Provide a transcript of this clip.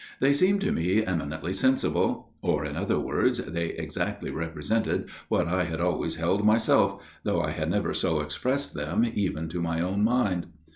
They seemed to me eminently sensible ; or, in other words, they exactly represented what I had always held myself, though I had never so expressed them even to my own mind.